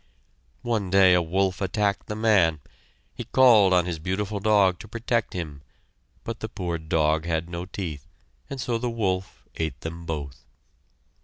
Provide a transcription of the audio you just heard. One day a wolf attacked the man. He called on his beautiful dog to protect him, but the poor dog had no teeth, and so the wolf ate them both.